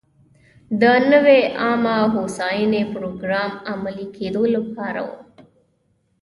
د نوې عامه هوساینې پروګرام عملي کېدو لپاره و.